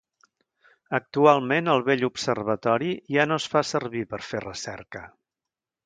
Actualment el vell observatori ja no es fa servir per fer recerca.